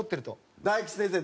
大吉先生